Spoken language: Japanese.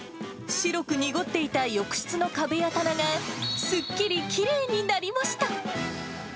白く濁っていた浴室の壁や棚がすっきりきれいになりました。